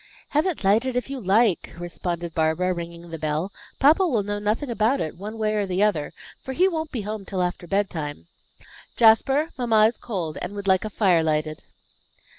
"Have it lighted if you like," responded Barbara, ringing the bell. "Papa will know nothing about it, one way or the other, for he won't be home till after bedtime. Jasper, mamma is cold, and would like a fire lighted."